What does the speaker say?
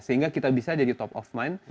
sehingga kita bisa jadi top of mind